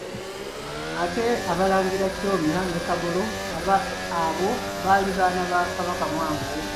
Ate Abalangira Kyomya ne Kagolo abo baali baana ba Kabaka Mwanga II.